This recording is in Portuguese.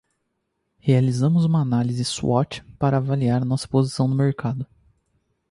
Realizamos uma análise SWOT para avaliar nossa posição no mercado.